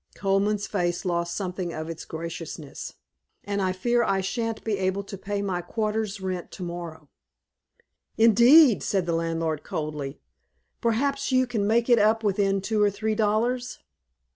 Colman's face lost something of its graciousness. "And I fear I sha'n't be able to pay my quarter's rent to morrow." "Indeed!" said the landlord coldly. "Perhaps you can make it up within two or three dollars?"